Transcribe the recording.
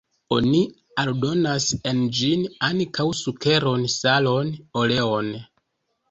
Oni aldonas en ĝin ankaŭ sukeron, salon, oleon.